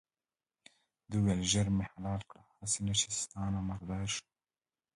ده وویل ژر مې حلال کړه هسې نه چې ستا نه مردار شم.